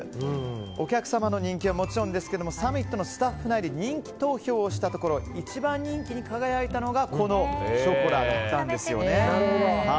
お客様の人気はもちろんですけどもサミットのスタッフ内で人気投票をしたところ一番人気に輝いたのがこのショコラだったんですね。